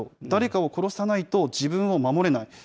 誰かを殺さないと、自分を守れない。